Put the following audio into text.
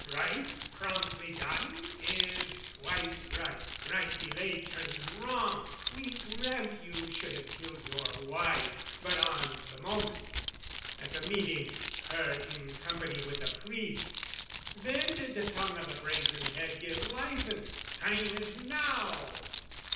"Right, promptly done, is twice right: right delayed "Turns wrong. We grant you should have killed your wife, "But on the moment, at the meeting her "In company with the priest: then did the tongue "O' the Brazen Head give licence, 'Time is now!'